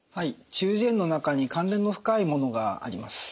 中耳炎の中に関連の深いものがあります。